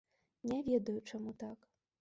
Не ведаю, чаму так.